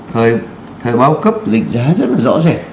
thời báo cấp định giá rất là rõ rẻ